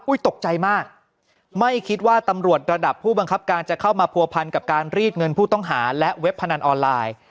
ตกใจมากไม่คิดว่าตำรวจระดับผู้บังคับการจะเข้ามาผัวพันกับการรีดเงินผู้ต้องหาและเว็บพนันออนไลน์